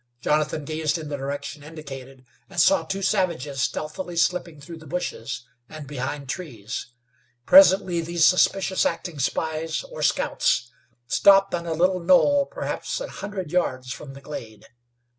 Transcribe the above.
Jonathan gazed in the direction indicated, and saw two savages stealthily slipping through the bushes, and behind trees. Presently these suspicious acting spies, or scouts, stopped on a little knoll perhaps an hundred yards from the glade.